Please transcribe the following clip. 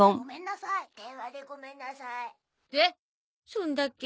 そんだけ。